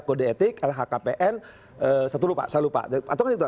kode etik lhkpn satu lupa saya lupa